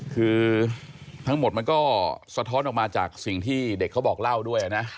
คือทั้งหมดมันก็สะท้อนออกมาจากสิ่งที่เด็กเขาบอกเล่าด้วยนะ